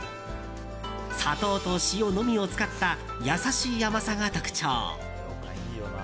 砂糖と塩のみを使った優しい甘さが特徴。